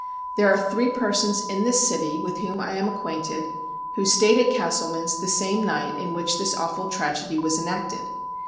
There are three persons in this city, with whom I am acquainted, who staid at Castleman's the same night in which this awful tragedy was enacted.